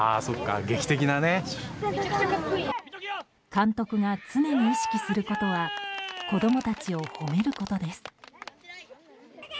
監督が常に意識することは子供たちを褒めることです。